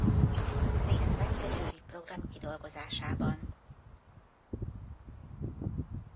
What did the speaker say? Részt vett a győri program kidolgozásában.